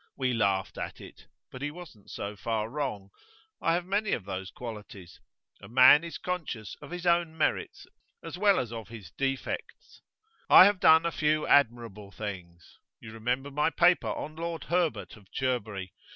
We laughed at it, but he wasn't so far wrong. I have many of those qualities. A man is conscious of his own merits as well as of his defects. I have done a few admirable things. You remember my paper on Lord Herbert of Cherbury?